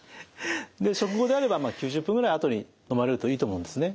で食後であれば９０分ぐらいあとにのまれるといいと思うんですね。